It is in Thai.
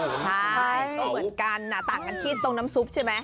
เหมือนกันน่ะต่างกันที่ตรงน้ำซุปใช่ไหม